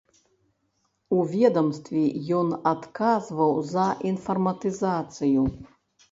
У ведамстве ён адказваў за інфарматызацыю.